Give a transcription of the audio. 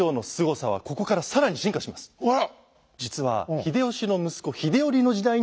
あら！